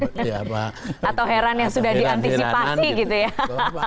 atau heran yang sudah diantisipasi gitu ya